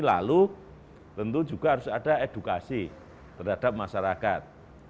lalu tentu juga harus ada edukasi terhadap masyarakat